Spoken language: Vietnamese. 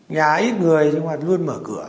nhà ít người nhưng mà luôn mở cửa